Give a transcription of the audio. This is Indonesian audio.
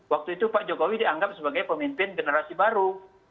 waktu itu pak jokowi dianggap sebagai pemimpin generasi baru